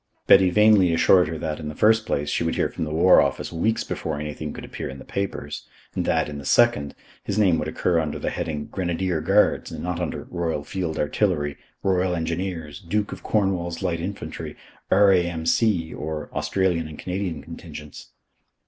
Betty vainly assured her that, in the first place, she would hear from the War Office weeks before anything could appear in the papers, and that, in the second, his name would occur under the heading "Grenadier Guards," and not under "Royal Field Artillery," "Royal Engineers," "Duke of Cornwall's Light Infantry," "R.A.M.C.," or Australian and Canadian contingents.